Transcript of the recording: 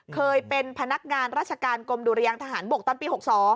เคยเป็นพนักงานราชการกรมดุรยางทหารบกตอนปี๖๒